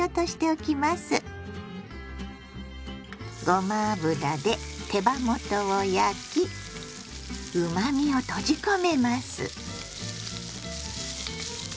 ごま油で手羽元を焼きうまみを閉じ込めます。